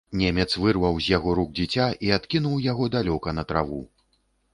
Немец вырваў з яго рук дзіця і адкінуў яго далёка на траву.